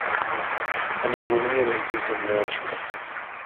Kanan manañam mikuyta munaachu.